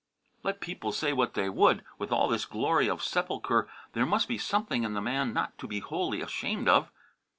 Let people say what they would! With all this glory of sepulchre there must be something in the man not to be wholly ashamed of.